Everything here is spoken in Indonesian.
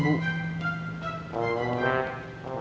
duit tinggal empat puluh ribu